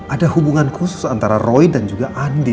ada hubungan khusus antara roy dan juga andi